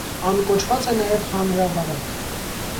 Ան կոչուած է նաեւ հանրավարակ։